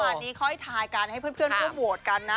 นี้ค่อยทายกันให้เพื่อนร่วมโหวตกันนะ